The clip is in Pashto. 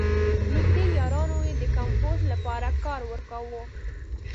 نېږدې یارانو یې د کمپوز لپاره کار ورکاوه.